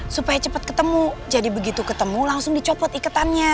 supaya cepat ketemu jadi begitu ketemu langsung dicopot ikatannya